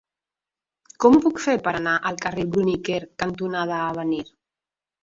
Com ho puc fer per anar al carrer Bruniquer cantonada Avenir?